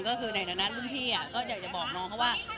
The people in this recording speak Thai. ก็คือในฐานะรุ่นพี่ก็อยากจะบอกน้องเขาว่า